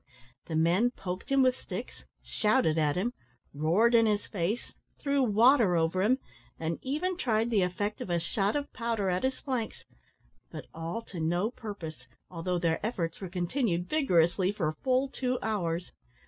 The men poked him with sticks; shouted at him; roared in his face; threw water over him; and even tried the effect of a shot of powder at his flank; but all to no purpose, although their efforts were continued vigorously for full two hours.